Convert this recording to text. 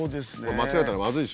間違えたらまずいでしょう？